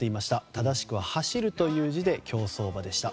正しくは「走」という字で競走馬でした。